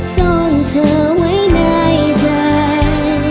ซ่อนเธอไว้ในใจ